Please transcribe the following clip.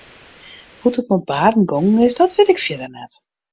Hoe't it mei Barend gongen is dat wit ik fierder net.